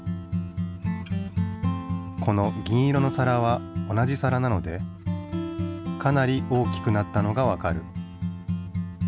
この銀色の皿は同じ皿なのでかなり大きくなったのがわかる。